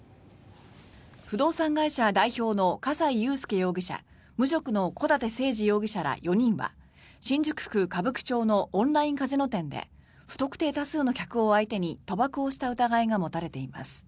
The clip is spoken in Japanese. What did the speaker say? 不動産会社代表の葛西悠介容疑者無職の小舘誠治容疑者ら４人は新宿区歌舞伎町のオンラインカジノ店で不特定多数の客を相手に賭博をした疑いが持たれています。